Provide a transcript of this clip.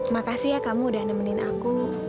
makasih ya kamu udah nemenin aku